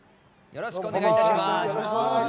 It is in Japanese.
よろしくお願いします。